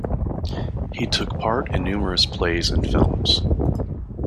He took part in numerous plays and films.